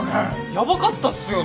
ヤバかったっすよね。